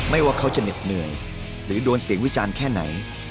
ว่าเขาจะเหน็ดเหนื่อยหรือโดนเสียงวิจารณ์แค่ไหน